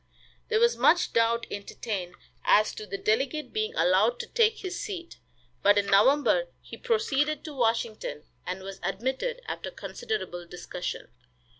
There was much doubt entertained as to the delegate being allowed to take his seat, but in November he proceeded to Washington, and was admitted, after considerable discussion.